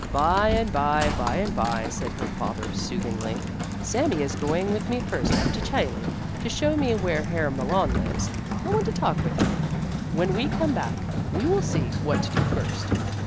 "By and by, by and by," said her father, soothingly. "Sami is going with me first up to Chailly, to show me where Herr Malon lives. I want to talk with him. When we come back, we will see what to do first."